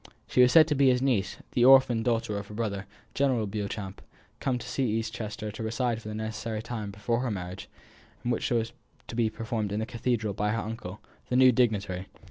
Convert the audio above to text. She was said to be his niece, the orphan daughter of his brother, General Beauchamp, come to East Chester to reside for the necessary time before her marriage, which was to be performed in the cathedral by her uncle, the new dignitary.